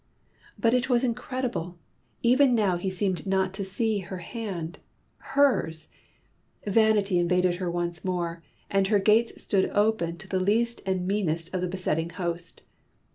But it was incredible! Even now he seemed not to see her hand hers! Vanity invaded her once more, and her gates stood open to the least and meanest of the besetting host.